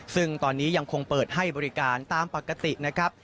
ซึ่งตอนนี้ยังคงเปิดให้บริการตามปกตินะครับ